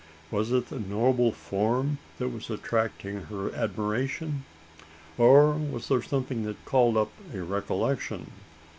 Was it the noble form that was attracting her admiration? Or was there something that called up a recollection!